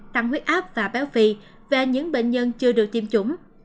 tăng huyết áp và béo phì và những bệnh nhân chưa được tiêm chủng